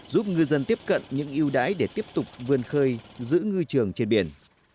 giúp ngư dân tiếp cận những yêu đái để tiếp tục vươn khơi giữ ngư trường trên biển